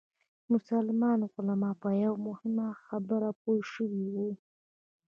مسلمان علما په یوه مهمه خبره پوه شوي وو.